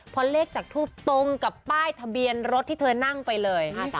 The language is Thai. พอเลขจากทูปตรงกับป้ายทะเบียนรถที่เธอนั่งไปเลย